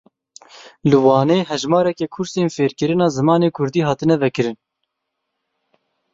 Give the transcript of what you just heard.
Li Wanê hejmareke kursên fêrkirina zimanê Kurdî hatine vekirin.